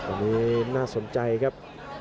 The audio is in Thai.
อันนี้น่าสนใจครับ